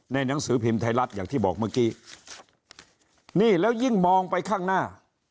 หนังสือพิมพ์ไทยรัฐอย่างที่บอกเมื่อกี้นี่แล้วยิ่งมองไปข้างหน้า